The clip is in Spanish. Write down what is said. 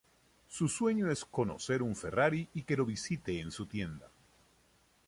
Su sueño es conocer un Ferrari y que lo visite en su tienda.